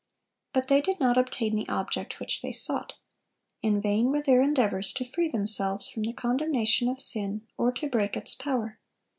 But they did not obtain the object which they sought. In vain were their endeavors to free themselves from the condemnation of sin or to break its power.